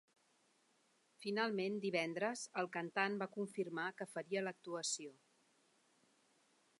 Finalment, divendres el cantant va confirmar que faria l’actuació.